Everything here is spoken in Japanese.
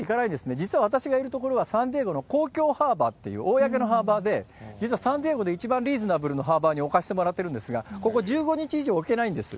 実は私がいるところは、サンディエゴの公共ハーバーっていう公のハーバーで、実はサンディエゴで一番リーズナブルなハーバーに置かせてもらってるんですが、ここ、１５日以上置けないんです。